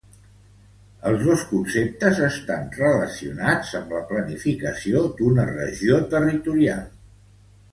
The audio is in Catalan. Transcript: Els dos conceptes estan relacionats amb la planificació d'una regió territorial.